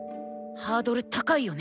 ハードル高いよね。